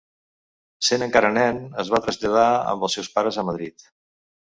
Sent encara nen es va traslladar amb els seus pares a Madrid.